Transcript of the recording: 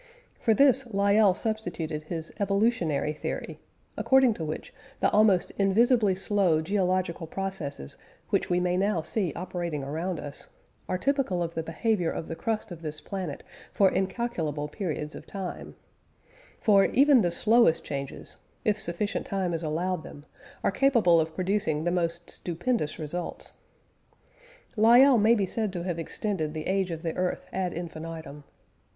For this Lyell substituted his "Evolutionary Theory," according to which the almost invisibly slow geological processes which we may now see operating around us, are typical of the behaviour of the crust of this planet for incalculable periods of time; for even the slowest changes, if sufficient time is allowed them, are capable of producing the most stupendous results. Lyell may be said to have extended the age of the earth ad infinitum.